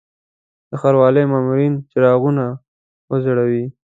د ښاروالي مامورین څراغونه وځړوي.